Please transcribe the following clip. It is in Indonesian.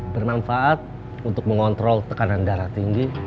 bermanfaat untuk mengontrol tekanan darah tinggi